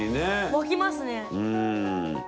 湧きますね。